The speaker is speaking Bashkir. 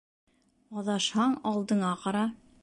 Аҙашһаң, алдыңа ҡара.